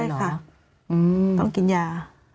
ใช่ค่ะต้องกินยา